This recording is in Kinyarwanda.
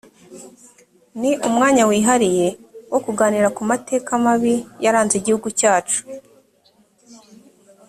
ni umwanya wihariye wo kuganira ku mateka mabi yaranze igihugu cyacu